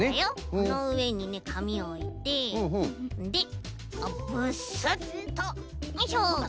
このうえにねかみおいてでブスッとよいしょ。